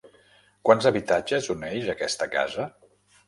Quants habitatges uneix aquesta casa?